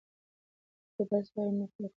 که ته درس ووایې نو په راتلونکي کې به بختور شې.